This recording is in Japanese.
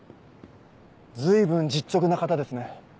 随分実直な方ですね。